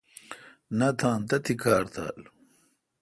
نہ تھان تتھی کار تھال۔